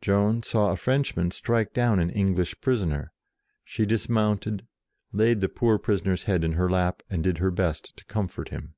Joan saw a French man strike down an English prisoner: she dismounted, laid the poor prisoner's head in her lap, and did her best to comfort him.